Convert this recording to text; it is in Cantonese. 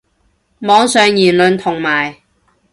網上言論同理